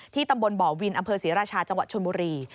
ตำบลบ่อวินอำเภอศรีราชาจังหวัดชนบุรี